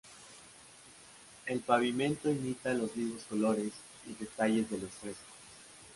El pavimento imita los vivos colores y detalles de los frescos.